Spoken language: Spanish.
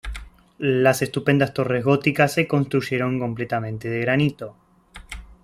Las estupendas torres góticas se construyeron completamente de granito.